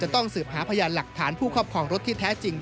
ต้องสืบหาพยานหลักฐานผู้ครอบครองรถที่แท้จริง